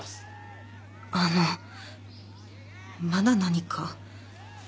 あのまだ何か？